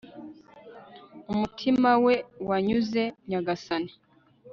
umutima we wanyuze nyagasani